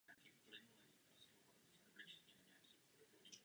Následuje po čísle devět set devatenáct a předchází číslu devět set dvacet jedna.